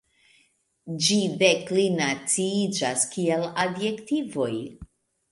Ĝi deklinaciiĝas kiel adjektivoj.